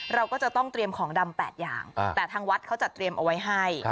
เราก็จะต้องเตรียมของดำ๘อย่างแต่ทางวัดเขาจัดเตรียมเอาไว้ให้